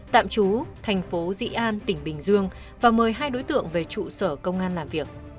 tạm trú thành phố dị an tỉnh bình dương và mời hai đối tượng về trụ sở công an làm việc